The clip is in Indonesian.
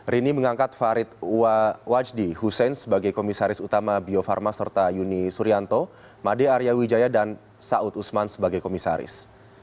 rini mengangkat farid wajdi hussein sebagai komisaris utama bio farma serta yuni suryanto made arya wijaya dan saud usman sebagai komisaris